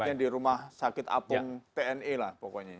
artinya di rumah sakit apung tni lah pokoknya